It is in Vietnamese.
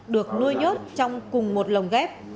được nuôi nhốt trong cùng một lồng ghép